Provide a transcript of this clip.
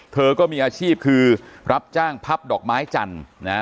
เธอก็มีอาชีพคือรับจ้างพับดอกไม้จันทร์นะฮะ